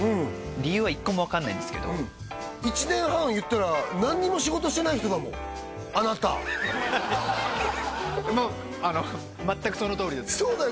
理由は１個も分かんないんですけど１年半いったら何も仕事してない人だもんあなたもうまったくそのとおりですそうだよ